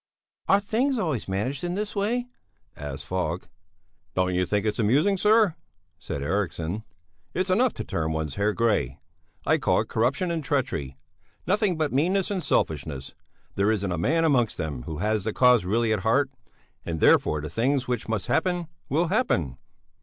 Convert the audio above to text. "Are things always managed in this way?" asked Falk. "Don't you think it amusing, sir?" said Eriksson. "It's enough to turn one's hair grey. I call it corruption and treachery. Nothing but meanness and selfishness. There isn't a man amongst them who has the cause really at heart. And therefore the things which must happen will happen."